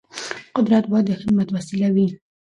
قدرت باید د خدمت وسیله وي